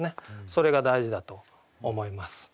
それが大事だと思います。